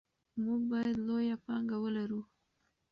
موږ باید لویه پانګه ولرو.